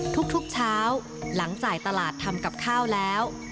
ทุกเช้าหลังจ่ายตลาดทำกับข้าวแล้ว